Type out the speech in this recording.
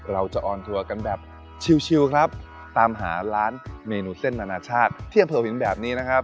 เราจะออนทัวร์กันแบบชิวครับตามหาร้านเมนูเส้นนานาชาติที่อำเภอหินแบบนี้นะครับ